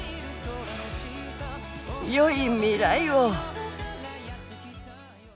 よい未来を。